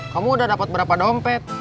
kamu udah dapat berapa dompet